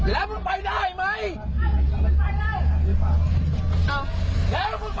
แล้วมึงไปได้ไหม